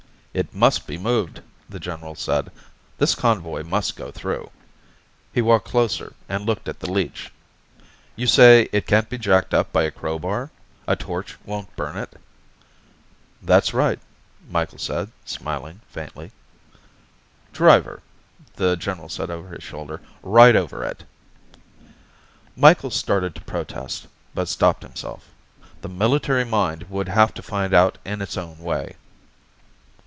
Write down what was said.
"It must be moved," the general said. "This convoy must go through." He walked closer and looked at the leech. "You say it can't be jacked up by a crowbar? A torch won't burn it?" "That's right," Micheals said, smiling faintly. "Driver," the general said over his shoulder. "Ride over it." Micheals started to protest, but stopped himself. The military mind would have to find out in its own way.